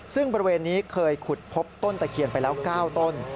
ซึ่งบริเวณนี้เคยขุดพบต้นตะเคียนไปแล้ว๙ต้น